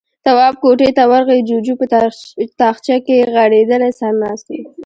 تواب کوټې ته ورغی، جُوجُو په تاخچه کې ځړېدلی سر ناست و.